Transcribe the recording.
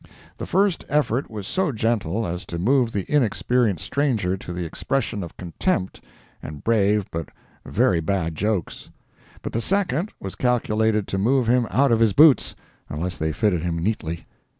The first effort was so gentle as to move the inexperienced stranger to the expression of contempt and brave but very bad jokes; but the second was calculated to move him out of his boots, unless they fitted him neatly.